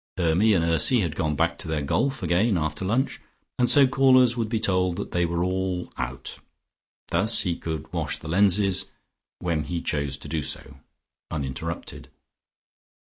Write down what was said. Hermy and Ursy had gone back to their golf again after lunch, and so callers would be told that they were all out. Thus he could wash the lenses, when he chose to do so, uninterrupted.